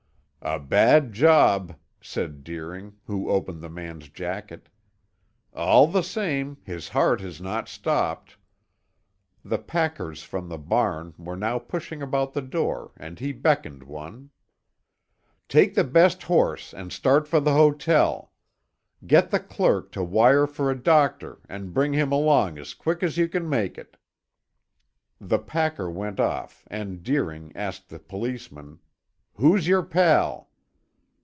"A bad job!" said Deering, who opened the man's jacket. "All the same, his heart has not stopped." The packers from the barn were now pushing about the door and he beckoned one. "Take the best horse and start for the hotel. Get the clerk to wire for a doctor and bring him along as quick as you can make it." The packer went off and Deering asked the policeman: "Who's your pal?"